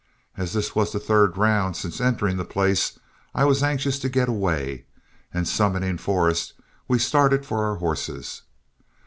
As this was the third round since entering the place, I was anxious to get away, and summoning Forrest, we started for our horses.